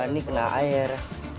ini kena air